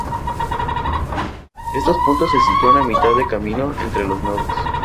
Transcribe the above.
Estos puntos se sitúan a mitad de camino entre los nodos.